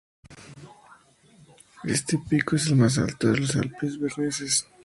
Este pico es el más alto de los Alpes berneses.